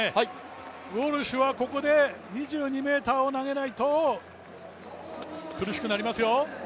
ウォルシュはここで２２ｍを投げないと苦しくなりますよ。